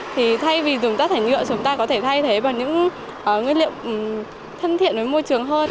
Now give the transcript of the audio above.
thì thay vì dùng rác thải nhựa chúng ta có thể thay thế bằng những nguyên liệu thân thiện với môi trường hơn